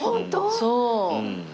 そう。